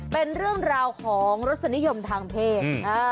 เป็นเรื่องราวของรสนิยมทางเพศ